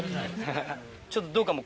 ちょっとどうかも？